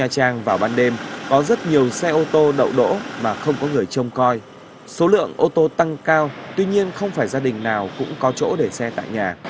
trang vào ban đêm có rất nhiều xe ô tô đậu đỗ mà không có người trông coi số lượng ô tô tăng cao tuy nhiên không phải gia đình nào cũng có chỗ để xe tại nhà